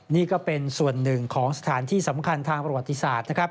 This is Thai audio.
นี่ก็เป็นส่วนหนึ่งของสถานที่สำคัญทางประวัติศาสตร์นะครับ